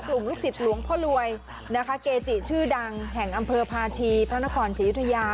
ลูกศิษย์หลวงพ่อรวยนะคะเกจิชื่อดังแห่งอำเภอพาชีพระนครศรียุธยา